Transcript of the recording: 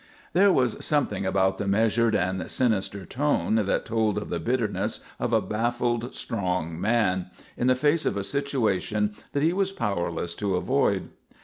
There was something about the measured and sinister tone that told of the bitterness of a baffled strong man, in the face of a situation that he was powerless to avoid.